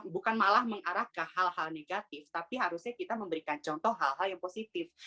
bukan malah mengarah ke hal hal negatif tapi harusnya kita memberikan contoh hal hal yang positif